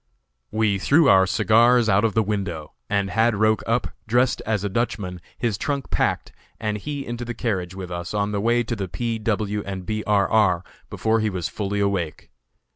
We threw our cigars out of the window, and had Roch up, dressed as a Dutchman, his trunk packed, and he into the carriage with us on the way to the P., W. & B. R. R. before he was fully awake.